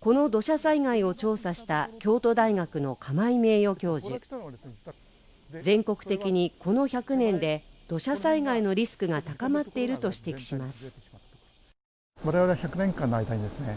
この土砂災害を調査した京都大学の釜井名誉教授全国的にこの１００年で土砂災害のリスクが高まっていると指摘します